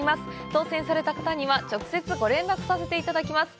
当せんされた方には、直接ご連絡させていただきます。